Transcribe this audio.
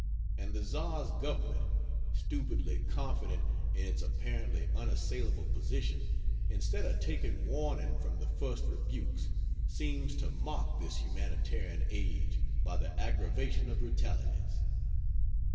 And the Tzar's Government, stupidly confident in its apparently unassailable position, instead of taking warning from the first rebukes, seems to mock this humanitarian age by the aggravation of brutalities.